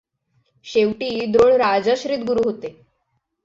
शेवटी द्रोण राजाश्रित गुरू होते.